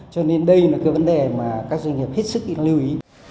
cho nên đây là cái vấn đề mà các doanh nghiệp hết sức lưu ý